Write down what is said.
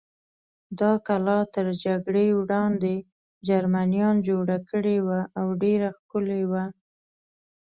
دا کلا تر جګړې وړاندې جرمنیان جوړه کړې وه او ډېره ښکلې وه.